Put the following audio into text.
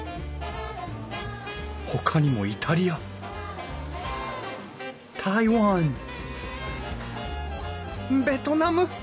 ほかにもイタリア台湾ベトナム！